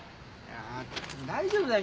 大丈夫だよ。